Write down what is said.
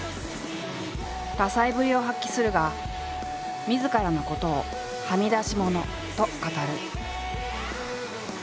多才ぶりを発揮するがみずからのことを「はみ出し者」と語る。